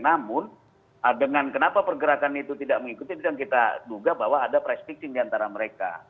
namun dengan kenapa pergerakan itu tidak mengikuti kita duga bahwa ada prestiksi diantara mereka